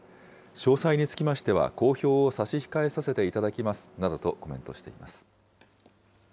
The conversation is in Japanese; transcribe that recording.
詳細につきましては公表を差し控えさせていただきますなどとコメ